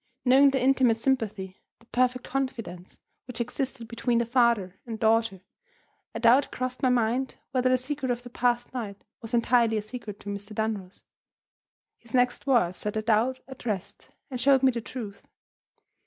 Knowing the intimate sympathy, the perfect confidence, which existed between the father and daughter, a doubt crossed my mind whether the secret of the past night was entirely a secret to Mr. Dunross. His next words set that doubt at rest, and showed me the truth.